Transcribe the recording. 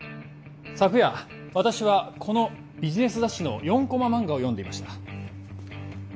昨夜私はこのビジネス雑誌の４コマ漫画を読んでいました